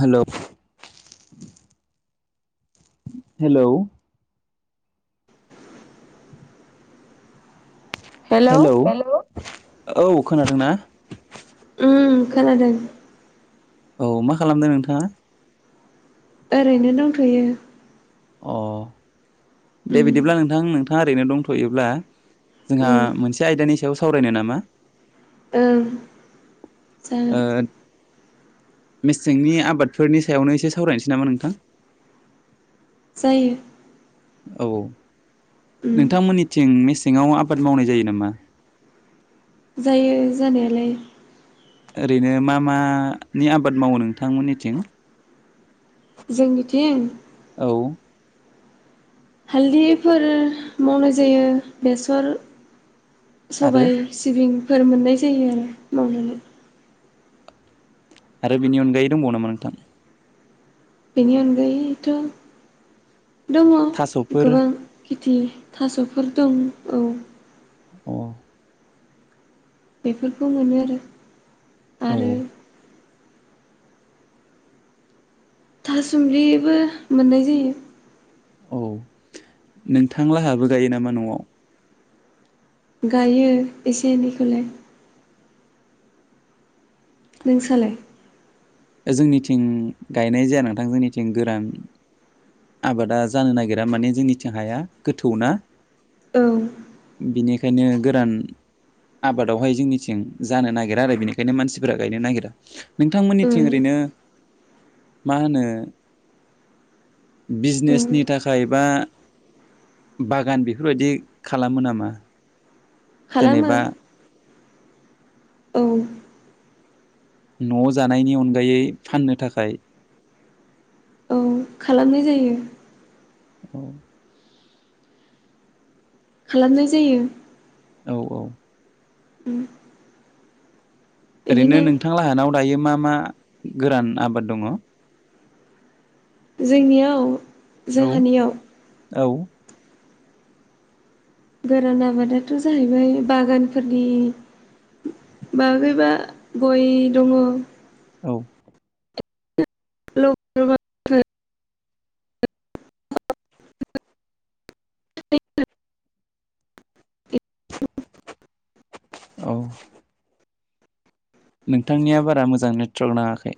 Hello hello hello औ खोनादोंना? उम खोनादों औ मा खालामदों नोंथांङा? ओरैनो दंथयो अ दे उम बिदिब्ला नोंथां नोंथाङा ओरैनो दंथयोब्ला जोंहा उम मोनसे आयदानि सायाव सावरायनो नामा ओ ओ जोगोन मेसेंनि आबादफोरनि सायावनो एसे सावरायनोसै नामा नोंथां जायो औ उम नोंथांमोननिथिं मिस सिंङाव आबाद मावनाय जायो नामा? जायो जानायालाय ओरैनो मा मानि आबाद मावो नोंथांमोननिथिं? जोंनिथिं औ हालदैफोर मावनाय जायो बेसर आरो सबाय सिबिंफोर मोननाय जायो आरो मावनानै आरो बिनि अनगायै दंबावनोामा नोंथां बिनि अनगायोथ दंङ थास'फोर गोबां खेथि थासफोर दं औ अ बेफोरखौ मोनो आरो औ आरो थासुमलिबो मोननाय जायो औ नोंथांलाहाबो गायो नामा नआव गायो एसे एनैखौलाय नों सालाय? जोंनिथिं गायनाय जाया नोंथां जोंनिथिं गोरान आबादा जानो नागिरा माने जोंनिथिं हाया गोथौना औ बिनिखायनो गोरान आबादावहाय जोंनिथिं जानो नागिरा आरो बेनिखायनो मानसिफोरा गायनो नागिरा नोंथां थिं उम ओरैनो मा होनो उम बिजनेसनि थाखाय बा बागान बेफोरबायदि खालामो नामा खालामो जेनेबा औ न जानायनि अनगायै फाननो थाखाय औ खालामनाय जायो औ खालामनाय जायो औ औ [inaudible] ओरैनो बिदिनो नोंथां लाहानाव दायो मा मा गोरान आबाद दंङ जोंनियाव औ जोंहानियाव औ गोरान आबादाथ जाहैबाय बागानफोरनि बागैबा गय दंङ औ [inaudible] [unintelligible] औ नोंथांनिया बारा मोजां नेट्रक नांङाखै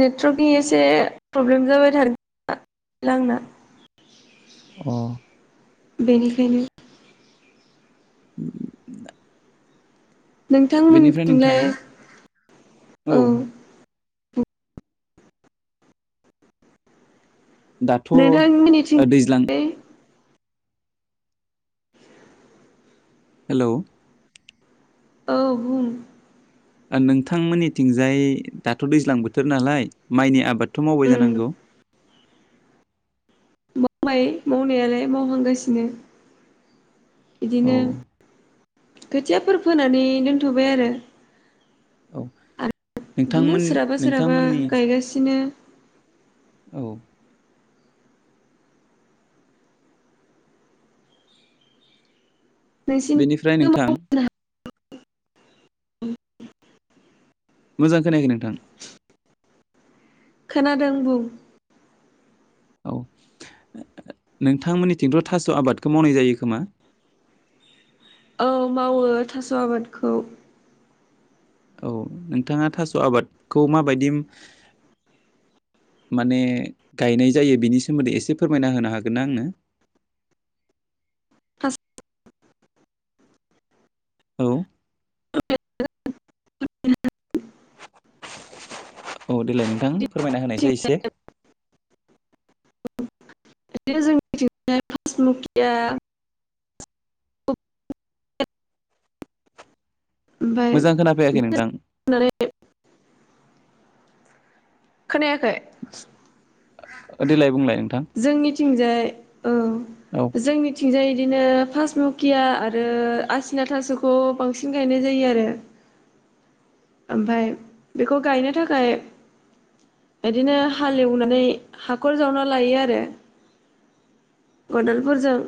नेटवर्कि एसे प्रब्लेम जाबाय थादों आंना अ बेनिखायनो [inaudible] बेनिफ्राय नोंथां नोंथांमोननिथिंलाय औ दाथ' ओ नोंथांमोननिथिं दैज्लां हेलौ औ‌ बुं ओ नोंथांमोननिथिंजाय दाथ' दैज्लां बोथोर नालाय माइनि आबाद थ' मावबाय उम जानांगौ मावबाय मावनायालाय मावहांगासिनो औ बिदिनो खोथियाफोर फोनानै दोनथ'बाय आरो औ आरो बिदिनो नोंथांमोन सोरहाबा सोरहाबा नोंथांमोननि गायगासिनो औ नोंसिनि बेनिफ्राय नोंथां मोजां खोनायाखै नोंथां खोनादों बुं औ [inaudible] नोंथांमोननिथिंथ' थास' आबादखौ मावनाय जायो खोमा [inaudible] औ मावो थास' आबादखौ औ नोंथाङा थास' आबादखौ माबायदि माने गायनाय जायो बिनि सोमोन्दै एसे फोरमायना होनो हागोन ना आंनो [inaudible] थास' औ औ देलाय नोंथां फोरमायना होनायसाय एसे [unintelligible] मोजां खोनाफैयाखै नोंथां ओमफ्राय [unintelligible] खोनायाखै ओ देलाय बुंलाय नोंथां जोंनिथिंजाय औ औ जोंनिथिं थिंजाय बिदिनो पास नकिया आरो आसिना थास'खौ बांसिन गायनाय जायो आरो [inaudible] ओमफाय बेखौ गायनो थाखाय इदिनो हालेवनानै हाखर जावना लायो आरो खदालफोरजों‌